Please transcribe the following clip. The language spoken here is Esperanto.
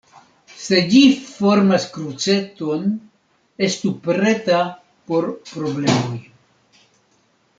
Se ĝi formas kruceton, estu preta por problemoj.